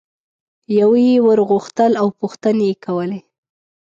یوه یي ور غوښتل او پوښتنې یې کولې.